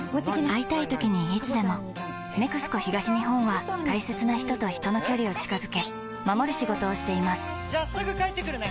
会いたいときにいつでも「ＮＥＸＣＯ東日本」は大切な人と人の距離を近づけ守る仕事をしていますじゃあすぐ帰ってくるね！